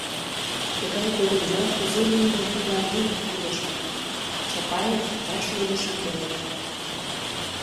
Тыгай годым мо, кузе лиймым тудлан вик курежман: Чапаев раш ойлышым веле йӧрата.